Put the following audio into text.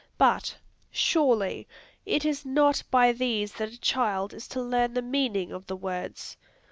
But, surely, it is not by these that a child is to learn the meaning of the words.